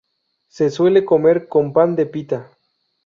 Se suele comer con pan de pita.